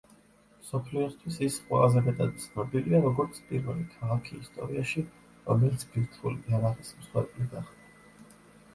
მსოფლიოსთვის ის ყველაზე მეტად ცნობილია, როგორც პირველი ქალაქი ისტორიაში, რომელიც ბირთვული იარაღის მსხვერპლი გახდა.